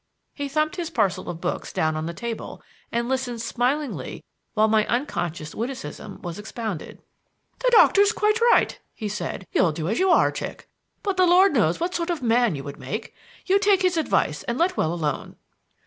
He thumped his parcel of books down on the table and listened smilingly while my unconscious witticism was expounded. "The doctor's quite right," he said. "You'll do as you are, chick; but the Lord knows what sort of man you would make. You take his advice and let well alone."